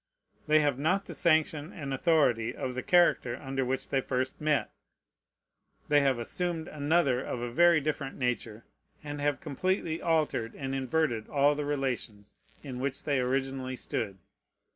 They have not the sanction and authority of the character under which they first met. They have assumed another of a very different nature, and have completely altered and inverted all the relations in which they originally stood.